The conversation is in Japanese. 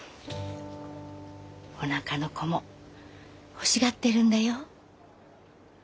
おなかの子も欲しがってるんだよ。